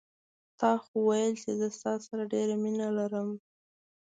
تا خو ویل چې زه ستا سره ډېره مینه لرم